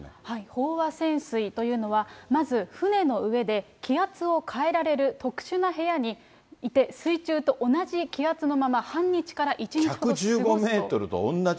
飽和潜水というのは、まず船の上で、気圧を変えられる特殊な部屋にいて、水中と同じ気圧のまま、半日から１日過ごすと。